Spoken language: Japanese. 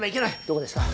どこですか？